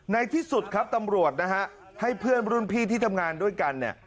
ที่สุดครับตำรวจนะฮะให้เพื่อนรุ่นพี่ที่ทำงานด้วยกันเนี่ย